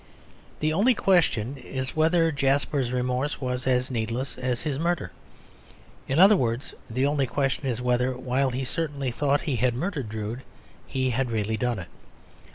The only question is whether Jasper's remorse was as needless as his murder. In other words the only question is whether, while he certainly thought he had murdered Drood, he had really done it.